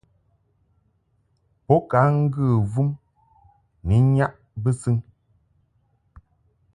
Bo ka ŋgə vum ni nnyaʼ bɨsɨŋ.